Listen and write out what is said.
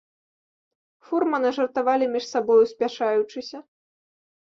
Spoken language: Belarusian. Фурманы жартавалі між сабою спяшаючыся.